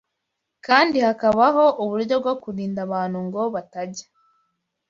kandi hakabaho uburyo bwo kurinda abantu ngo batajya